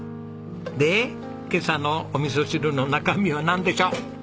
で今朝のおみそ汁の中身はなんでしょう？